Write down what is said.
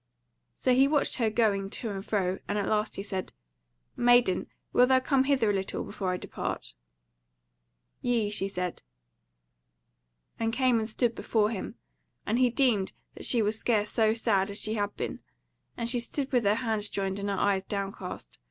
So he watched her going to and fro; and at last he said: "Maiden, wilt thou come hither a little, before I depart?" "Yea," she said; and came and stood before him: and he deemed that she was scarce so sad as she had been; and she stood with her hands joined and her eyes downcast.